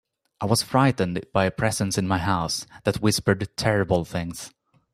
I was frightened by a presence in my house that whispered terrible things.